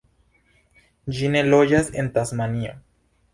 Ĝi ne loĝas en Tasmanio.